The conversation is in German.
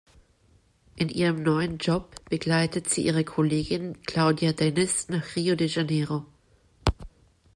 In ihrem neuen Job begleitet sie ihre Kollegin Claudia Dennis nach Rio de Janeiro.